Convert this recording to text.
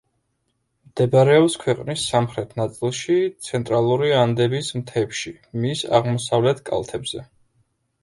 მდებარეობს ქვეყნის სამხრეთ ნაწილში, ცენტრალური ანდების მთებში, მის აღმოსავლეთ კალთებზე.